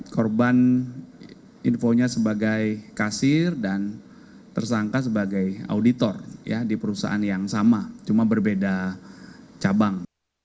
korban infonya sebagai kasir dan tersangka sebagai auditor di perusahaan yang sama cuma berbeda cabang